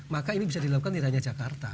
maka ini bisa dilakukan di raya jakarta